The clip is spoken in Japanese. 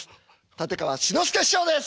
立川志の輔師匠です！